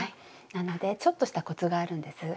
なのでちょっとしたコツがあるんです。